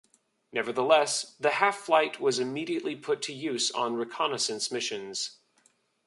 Nevertheless, the half-flight was immediately put to use on reconnaissance missions.